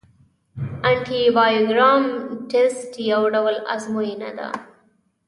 انټي بایوګرام ټسټ یو ډول ازموینه ده.